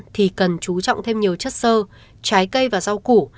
thì cần chú trọng thêm nhiều chất sơ trái cây và rau củ